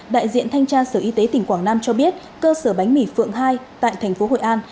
đại diện thanh tra sở y tế tỉnh quảng nam cho biết cơ sở bánh mì phượng hai tại thành phố hội an